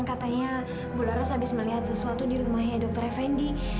katanya bularas habis melihat sesuatu di rumahnya dokter effendi